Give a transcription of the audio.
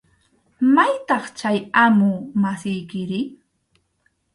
¿Maytaq chay amu masiykiri?